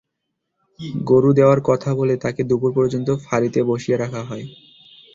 গরু দেওয়ার কথা বলে তাঁকে দুপুর পর্যন্ত ফাঁড়িতে বসিয়ে রাখা হয়।